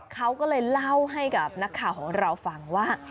เขาก็เลยเล่าให้กับนักข่าวของเราฟังว่า